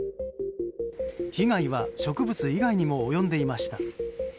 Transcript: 被害は植物以外にも及んでいました。